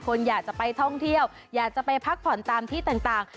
คนอยากจะไปท่องเที่ยวอยากจะไปพักผ่อนตามที่ต่าง